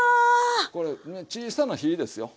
これね小さな火ですよ。